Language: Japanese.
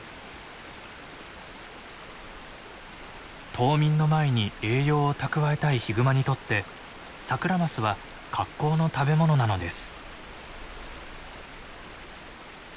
冬眠の前に栄養を蓄えたいヒグマにとってサクラマスは格好の食べ物なのです。